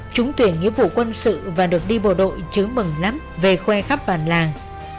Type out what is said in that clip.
trúng tuyển nghĩa vụ quân sự và được đi bộ đội chứa mừng lắm về khoe khắp bản làng